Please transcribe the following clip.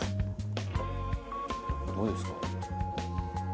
どうですか？